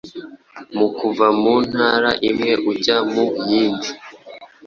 mu kuva mu ntara imwe ujya mu yindi